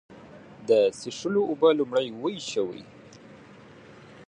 د څښلو اوبه لومړی وېشوئ.